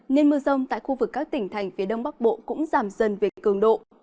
nên mưa rông tại khu vực các tỉnh thành phía đông bắc bộ cũng giảm dần về cường độ